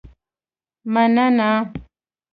مننه